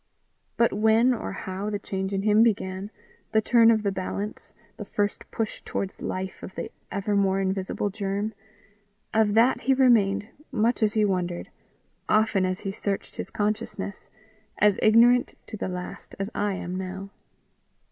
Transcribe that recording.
But when or how the change in him began, the turn of the balance, the first push towards life of the evermore invisible germ of that he remained, much as he wondered, often as he searched his consciousness, as ignorant to the last as I am now.